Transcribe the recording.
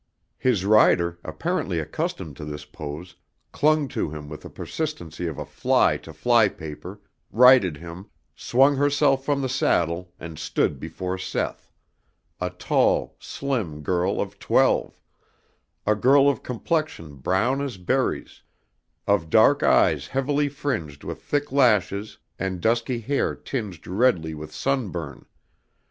His rider, apparently accustomed to this pose, clung to him with the persistency of a fly to fly paper, righted him, swung herself from the saddle and stood before Seth, a tall, slim girl of twelve, a girl of complexion brown as berries, of dark eyes heavily fringed with thick lashes and dusky hair tinged redly with sunburn.